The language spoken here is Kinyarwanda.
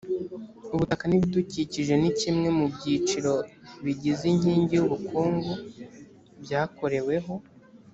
ubutaka n ibidukikije ni kimwe mu byiciro bigize inkingi y ubukungu byakoreweho